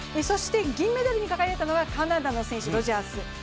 銀メダルに輝いたのはカナダの選手、ロジャース。